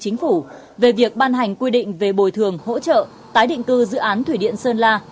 còn phải áp thêm một số nghị định quyết định khác về bồi thường hỗ trợ tái định cư dự án thủy điện sơn la